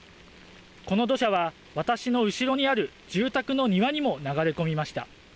この土砂は私の後ろにある住宅の庭にも流れ込みました。